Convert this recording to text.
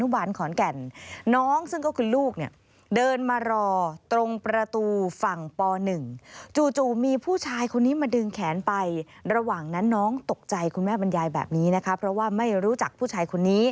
โดยโดยโดยโดยโดยโดยโดยโดยโดยโดยโดยโดย